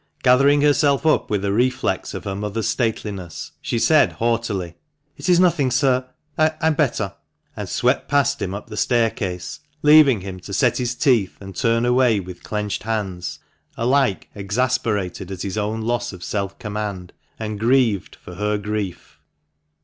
Gathering herself up with a reflex of her mother's stateliness, she said haughtily, " It is nothing, sir, I am better," and swept past him up the staircase, leaving him to set his teeth and turn away with clenched hands, alike exasperated at his own loss of self command and grieved for her grief.